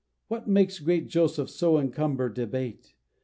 What makes great Joseph so encumber Debate?